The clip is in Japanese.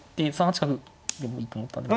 ３八角でもいいと思ったんで。